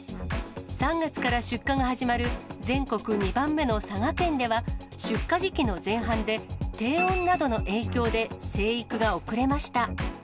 ３月から出荷が始まる全国２番目の佐賀県では、出荷時期の前半で、低温などの影響で、生育が遅れました。